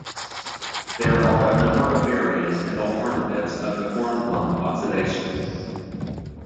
There are a number of variants and alternatives of the Kornblum oxidation.